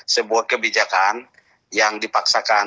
sebuah kebijakan yang dipaksakan